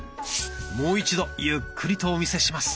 もう一度ゆっくりとお見せします。